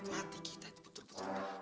hati kita itu puter puter